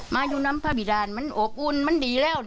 มาอยู่น้ำพระบิดานมันอบอุ่นมันดีแล้ว